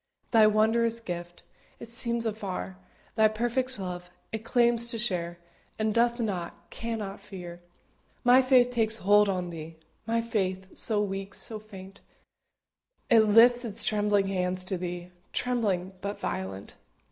Thy wondrous gift It sees afar; Thy perfect love It claims to share, And doth not, cannot fear. My faith takes hold on Thee My faith, so weak, so faint; It lifts its trembling hands to be, Trembling, but violent.